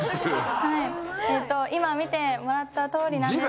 今見てもらったとおりなんですけど。